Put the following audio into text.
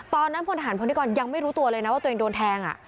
พลทหารพนิกรยังไม่รู้ตัวเลยนะว่าตัวเองโดนแทง